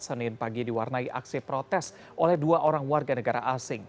senin pagi diwarnai aksi protes oleh dua orang warga negara asing